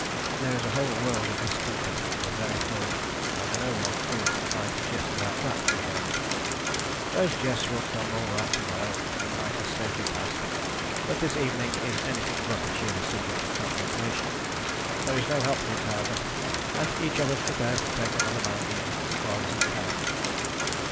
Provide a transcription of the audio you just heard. There is a whole world of discomfort in the very thought, and no one feels inclined to jest about that for the moment. Those jests will come all right to morrow when the night is safely past, but this evening it is anything but a cheery subject of contemplation. There is no help for it, however, and each of us prepares to take another man in so far as he can."